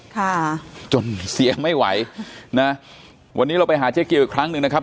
ค่ะจนเสียงไม่ไหวนะวันนี้เราไปหาเจ๊เกียวอีกครั้งหนึ่งนะครับ